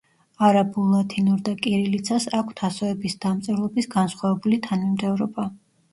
არაბულ, ლათინურ და კირილიცას აქვთ ასოების დამწერლობის განსხვავებული თანმიმდევრობა.